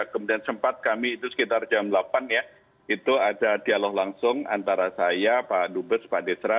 kemudian sempat kami itu sekitar jam delapan ya itu ada dialog langsung antara saya pak dubes pak desra